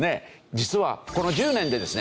実はこの１０年でですね